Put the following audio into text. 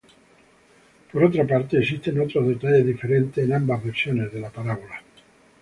Por otra parte, existen otros detalles diferentes en ambas versiones de la parábola.